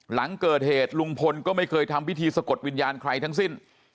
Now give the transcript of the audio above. หลังเกิดเหตุลุงพลก็ไม่เคยทำพิธีสะกดวิญญาณใครทั้งสิ้น